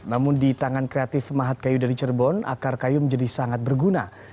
namun di tangan kreatif mahat kayu dari cirebon akar kayu menjadi sangat berguna